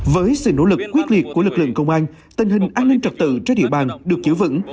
với sự nỗ lực quyết liệt của lực lượng công an tình hình an ninh trật tự trên địa bàn được giữ vững